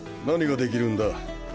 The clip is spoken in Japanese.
何ができるんだ？